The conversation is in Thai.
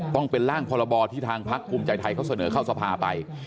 ต้องเป็นร่างพรบที่ทางพักภูมิใจไทยเขาเสนอเข้าสภาไป